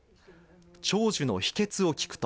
長寿の秘訣を聞くと。